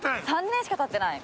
３年しか経ってない。